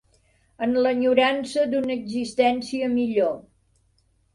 En l'enyorança d'una existència millor